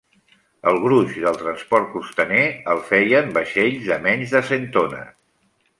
El gruix del transport costaner el feien vaixells de menys de cent tones.